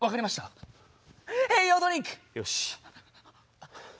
よし。